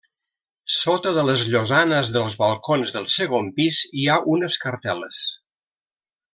Sota de les llosanes dels balcons del segon pis hi ha unes cartel·les.